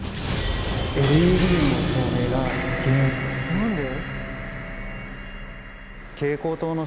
何で？